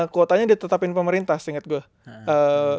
kuotanya ditetapin pemerintah seingat gue